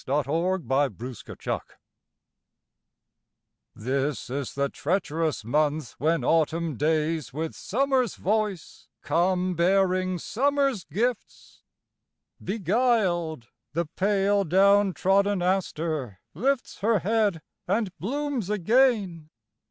Helen Hunt Jackson November THIS is the treacherous month when autumn days With summer's voice come bearing summer's gifts. Beguiled, the pale down trodden aster lifts Her head and blooms again.